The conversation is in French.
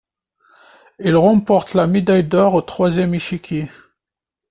Il remporte la médaille d'or au troisième échiquier.